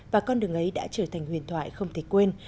và con đường ấy đã trở thành huyền thoại không thể quên